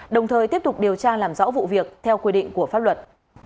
đồng thời tiếp tục điều tra làm rõ vụ việc theo quy định của pháp luật